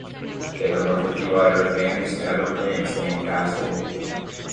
They are one of the few Irish bands to ever play in Slane Castle.